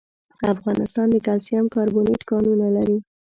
افغانستان د کلسیم کاربونېټ کانونه لري.